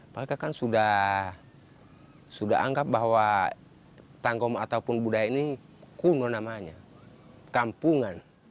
mereka kan sudah anggap bahwa tanggom ataupun budaya ini kuno namanya kampungan